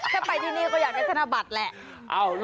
ถ้าไปที่นี่ก็อยากได้ธนบัตรแหละ